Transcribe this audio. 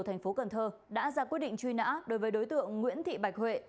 thành phố cần thơ đã ra quyết định truy nã đối với đối tượng nguyễn thị bạch huệ